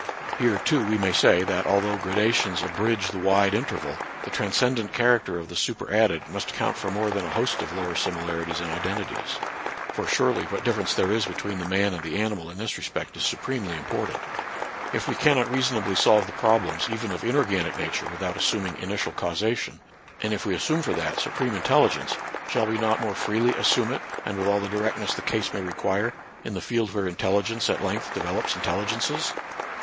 Here, too, we may say that, although gradations abridge the wide in terval, the transcendent character of the super added must count for more than a host of lower similarities and identities ; for, surely, what difference there is between the man and the animal in this respect is supremely hnpor tant. If we cannot reasonably solve the problems even of inorganic nature without assuming ini tial causation, and if we assume for that su preme intelligence, shall we not more freely assume it, and with all the directness the case 102 NATURAL SCIENCE AND RELIGION. may require, in the field where intelligence at length develops intelligences